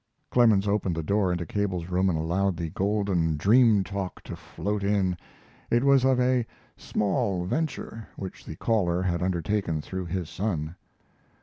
Clemens opened the door into Cable's room and allowed the golden dream talk to float in. It was of a "small venture" which the caller had undertaken through his son.